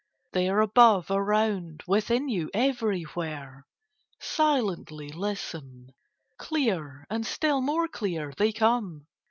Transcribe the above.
They are above, around, within you, everywhere. Silently listen! Clear, and still more clear, they come.